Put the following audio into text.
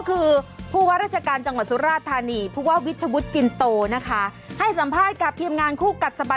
ก็คือผู้ว่าราชการจังหวัดสุราธารณีพวกวิชวุทรจินโตนะครับ